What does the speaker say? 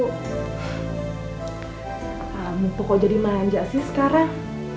kamu kok jadi manja sih sekarang